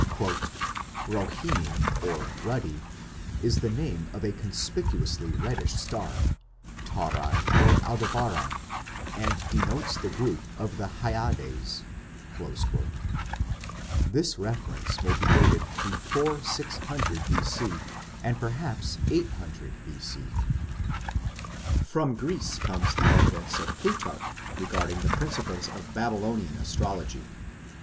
"Rohini, 'ruddy', is the name of a conspicuously reddish star, ɑ Tauri or Aldebaran, and denotes the group of the Hyades." This reference may be dated before 600 B.C., perhaps 800 B.C. From Greece comes the evidence of Plutarch regarding the principles of Babylonian astrology.